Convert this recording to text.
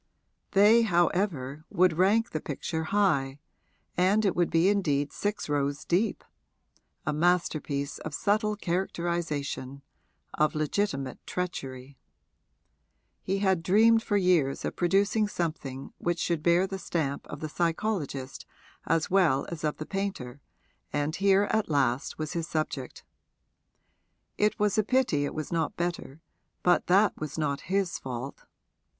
They, however, would rank the picture high, and it would be indeed six rows deep a masterpiece of subtle characterisation, of legitimate treachery. He had dreamed for years of producing something which should bear the stamp of the psychologist as well as of the painter, and here at last was his subject. It was a pity it was not better, but that was not his fault.